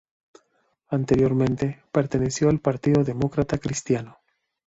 Anteriormente, perteneció al Partido Demócrata Cristiano.